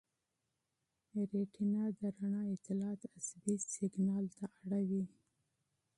ریټینا د رڼا اطلاعات عصبي سېګنال ته اړوي.